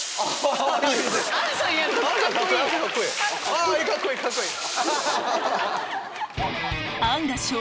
カッコいいカッコいい！